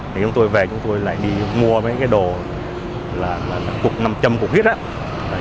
thì chúng tôi về chúng tôi lại đi mua mấy cái đồ là nằm châm cục hít á